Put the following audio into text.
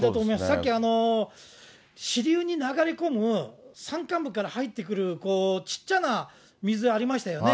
さっき、支流に流れ込む山間部から入ってくるこう、ちっちゃな水ありましたよね。